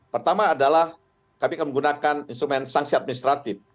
pertama adalah kami akan menggunakan instrumen sanksi administratif